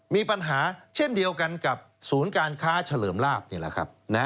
มีปัญหาเช่นเดียวกันกับศูนย์การค้าเฉลิมลาบนี่แหละครับ